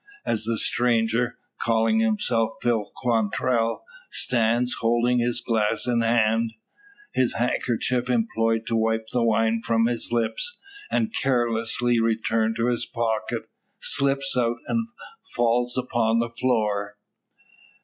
As the stranger, calling himself Phil Quantrell, stands holding his glass in hand, his handkerchief employed to wipe the wine from his lips, and carelessly returned to his pocket, slips out, and fails upon the floor.